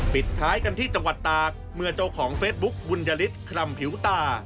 ปิดท้ายกันที่จังหวัดตากเมื่อเจ้าของเฟซบุ๊คบุญยฤทธลำผิวตา